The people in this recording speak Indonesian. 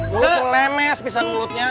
peluk lemes pisang peluknya